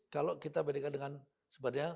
kalau kita bandingkan dengan sebenarnya